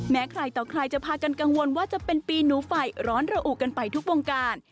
ใครต่อใครจะพากันกังวลว่าจะเป็นปีหนูไฟร้อนระอุกันไปทุกวงการ